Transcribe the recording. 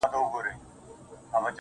مخ ته مي لاس راوړه چي ومي نه خوري~